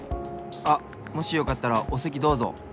あっもしよかったらおせきどうぞ。